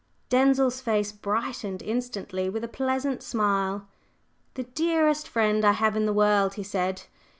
Denzil's face brightened instantly with a pleasant smile. "The dearest friend I have in the world!" he said.